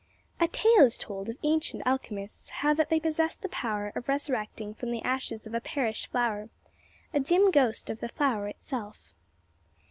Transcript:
A tale is told of ancient alchemists, how that they possessed the power of resurrecting from the ashes of a perished flower a dim ghost of the flower itself.